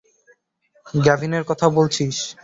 গ্যাভিনের কথা বলছিস?